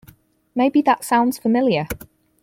Maybe that sounds familiar.